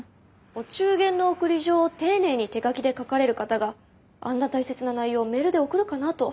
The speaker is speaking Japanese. お中元の送り状を丁寧に手書きで書かれる方があんな大切な内容をメールで送るかなと。